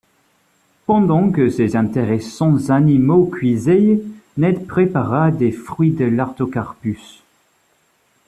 Pendant que ces intéressants animaux cuisaient, Ned prépara des fruits de l’artocarpus.